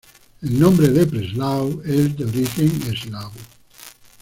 El nombre de Preslav es de origen eslavo.